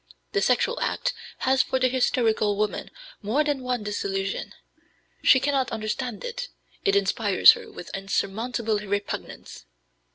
The sexual act has for the hysterical woman more than one disillusion; she cannot understand it; it inspires her with insurmountable repugnance."